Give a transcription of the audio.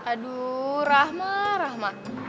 aduh rahma rahma